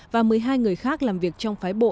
và một mươi hai người khác làm việc trong phái bộ